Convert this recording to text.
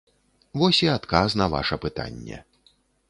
Вось і адказ на ваша пытанне.